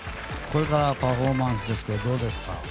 これからパフォーマンスですけどどうですか？